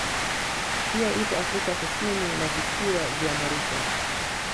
Pia ipo Afrika Kusni na visiwa vya Mauritius